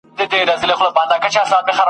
د یوه معتاد لخوا ..